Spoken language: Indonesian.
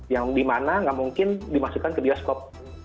yang dimana nggak mungkin dimasukkan ke bioskop